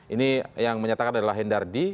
ini yang menyatakan adalah hendardi